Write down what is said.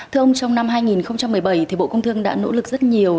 thưa ông trong năm hai nghìn một mươi bảy thì bộ công thương đã nỗ lực rất nhiều